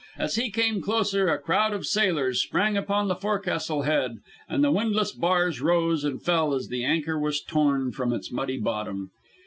As he came closer, a crowd of sailors sprang upon the forecastle head, and the windlass bars rose and fell as the anchor was torn from its muddy bottom.